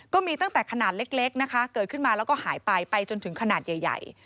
ก็มีตั้งแต่ขนาดเล็กนะคะเกิดขึ้นมาแล้วก็หายไปไปจนถึงขนาดใหญ่